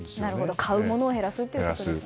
買うものを減らすということですね。